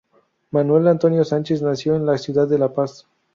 Manuel Antonio Sánchez nació en la ciudad de La Paz.